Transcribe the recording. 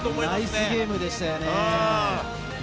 ナイスゲームでしたよね。